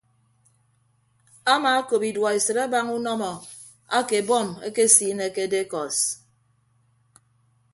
Amaakop iduọesịt abaña unọmọ ake bọmb ekesiine ke dekọs.